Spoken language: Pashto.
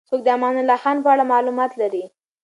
څوک د امان الله خان په اړه معلومات لري؟